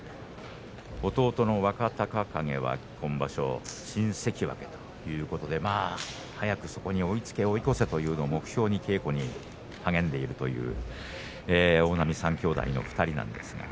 弟の若隆景は今場所、新関脇ということで早くそこに追いつけ追い越せというのを目標に稽古に励んでいるという大波３兄弟の２人です。